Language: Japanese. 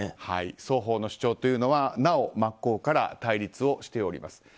双方の主張というのはなお真っ向から対立をしております。